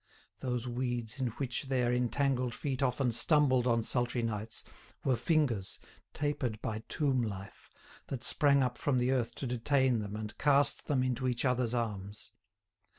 Those weeds, in which their entangled feet often stumbled on sultry nights, were fingers, tapered by tomb life, that sprang up from the earth to detain them and cast them into each other's arms.